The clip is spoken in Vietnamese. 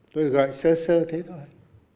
tôi gọi sơ sơ thế thôi